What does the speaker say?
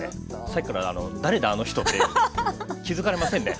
さっきから「誰だあの人」っていう気付かれませんね。